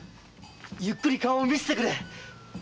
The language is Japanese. ゆっくり顔を見せてくれ！